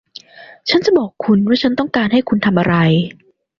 ฉันจะบอกคุณว่าฉันต้องการให้คุณทำอะไร